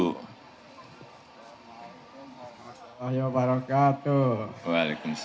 assalamu'alaikum warahmatullahi wabarakatuh